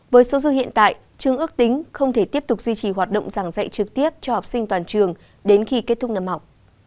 với số dư hiện tại trường ước tính không thể tiếp tục duy trì hoạt động giảng dạy trực tiếp cho học sinh toàn trường đến khi kết thúc năm học